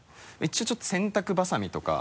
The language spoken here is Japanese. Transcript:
一応ちょっと洗濯ばさみとか。